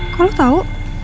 kok lo tau